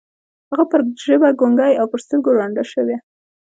هغه پر ژبه ګونګۍ او پر سترګو ړنده شوه.